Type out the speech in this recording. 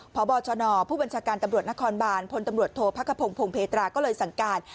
พบชนผู้บัญชาการตำรวจนครบานพลตำรวจโทษพระขพงพงเพตราก็เลยสั่งการ